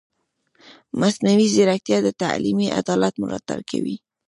مصنوعي ځیرکتیا د تعلیمي عدالت ملاتړ کوي.